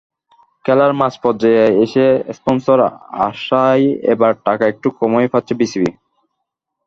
খেলার মাঝপর্যায়ে এসে স্পনসর আসায় এবার টাকা একটু কমই পাচ্ছে বিসিবি।